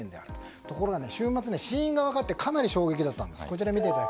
ところが週末、死因が分かってかなり衝撃だったんです。